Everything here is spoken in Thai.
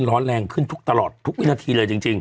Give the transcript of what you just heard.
ร้อนแรงขึ้นทุกตลอดทุกวินาทีเลยจริง